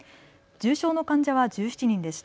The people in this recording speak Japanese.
重症の患者は１７人でした。